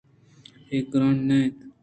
اے گرٛان نہ اِنت